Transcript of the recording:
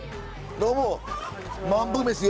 どうも。